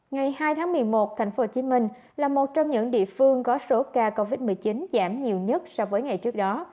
ngày hai tháng một mươi một thành phố hồ chí minh là một trong những địa phương có số ca covid một mươi chín giảm nhiều nhất so với ngày trước đó